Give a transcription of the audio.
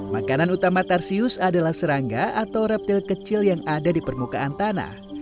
makanan utama tarsius adalah serangga atau reptil kecil yang ada di permukaan tanah